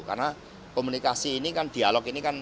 karena komunikasi ini kan dialog ini kan